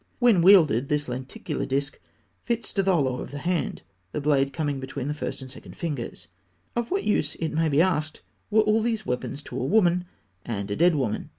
When wielded, this lenticular disk fits to the hollow of the hand, the blade coming between the first and second fingers. Of what use, it may be asked, were all these weapons to a woman and a dead woman?